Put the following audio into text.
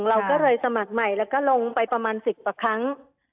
เราก็เลยสมัครใหม่แล้วก็ลงไปประมาณ๑๐กว่าครั้ง